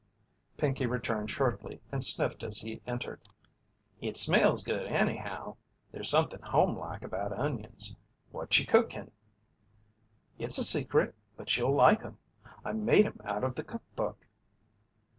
Pinkey returned shortly and sniffed as he entered: "It smells good, anyhow. There's something homelike about onions. What you cookin'?" "It's a secret, but you'll like 'em. I made 'em out of the cook book."